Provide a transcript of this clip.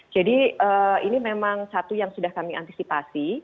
jadi ini memang satu yang sudah kami antisipasi